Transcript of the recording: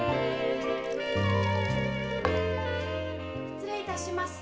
・失礼いたします。